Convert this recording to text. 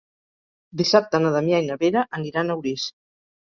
Dissabte na Damià i na Vera aniran a Orís.